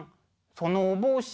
そのお帽子